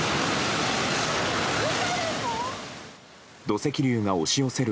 土石流が押し寄せる